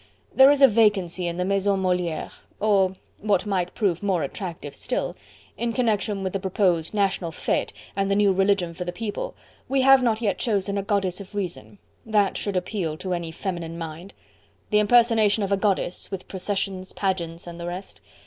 "There is a vacancy in the Maison Moliere. Or what might prove more attractive still in connection with the proposed National fete, and the new religion for the people, we have not yet chosen a Goddess of Reason. That should appeal to any feminine mind. The impersonation of a goddess, with processions, pageants, and the rest...